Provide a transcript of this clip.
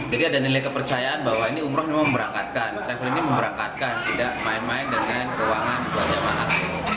ada nilai kepercayaan bahwa ini umroh memang memberangkatkan travel ini memberangkatkan tidak main main dengan keuangan keluarga jemaah